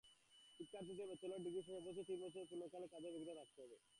শিক্ষার্থীদের bachelor degree শেষে অবশ্যই তিন বছরের পূর্ণকালীন কাজের অভিজ্ঞতা থাকতে হবে।